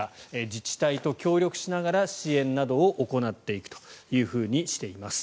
自治体と協力しながら支援などを行っていくとしています。